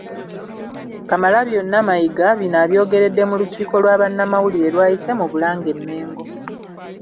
Kamalabyonna Mayiga bino abyogeredde mu lukiiko lwa bannamawulire lw’ayise mu Bulange- Mmengo